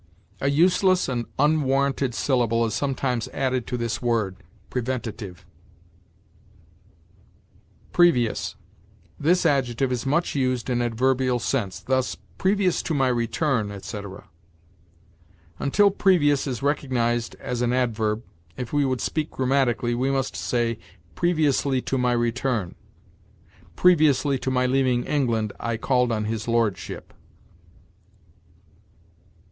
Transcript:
A useless and unwarranted syllable is sometimes added to this word preventative. PREVIOUS. This adjective is much used in an adverbial sense; thus, "Previous to my return," etc. Until previous is recognized as an adverb, if we would speak grammatically, we must say, "Previously to my return." "Previously to my leaving England, I called on his lordship."